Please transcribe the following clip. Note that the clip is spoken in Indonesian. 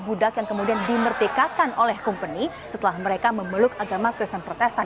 budak yang kemudian dimerdekakan oleh company setelah mereka memeluk agama kristen protestan